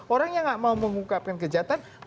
orang yang gak mau mengungkapkan kejahatan